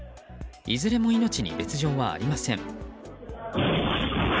いずれも命に別条はありません。